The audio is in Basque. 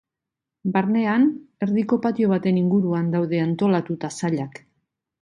Barnean, erdiko patio baten inguruan daude antolatuta sailak.